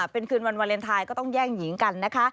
เป็นคืนวันวาเลนไทยก็ต้องแย่งหญิงกันนะคะ